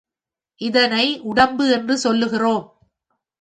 இதனை உடம்பு என்று சொல்லுகிறோம்.